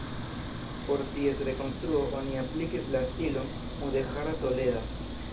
Por ties rekonstruo oni aplikis la stilon mudeĥara toleda.